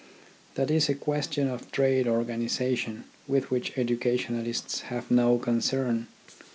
That is a question of trade organisation with which educationalists have no concern.